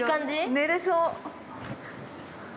寝れそう。